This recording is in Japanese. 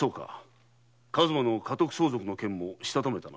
数馬の家督相続の件もしたためたな。